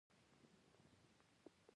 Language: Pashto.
بشپړ مساوات مستقیم خط جوړوي.